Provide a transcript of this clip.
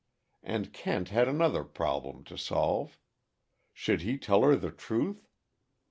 And Kent had another problem to solve. Should he tell her the truth?